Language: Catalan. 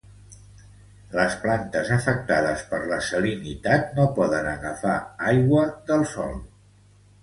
Les plantes afectades per la salinitat no poden agafar aigua del sòl.